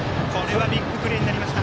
ビッグプレーになりました。